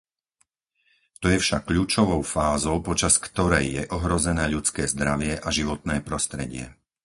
To je však kľúčovou fázou, počas ktorej je ohrozené ľudské zdravie a životné prostredie.